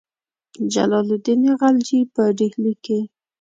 جلال الدین خلجي په ډهلي کې.